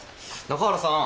中原さん。